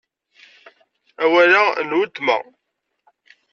Amawal-a n weltma.